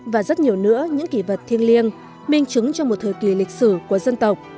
và rất nhiều nữa những kỳ vật thiên liêng minh chứng trong một thời kỳ lịch sử của dân tộc